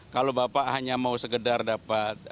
kalau bapak hanya mau segedar dapat